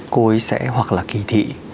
cô ấy sẽ hoặc là kỳ thị